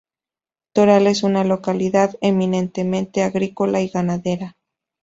Toral es una localidad eminentemente agrícola y ganadera.